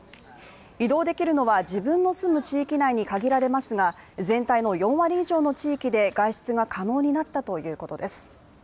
移動できるのは自分の住む地域内に限られますが全体の４割以上の地域で外出が可能になったということです。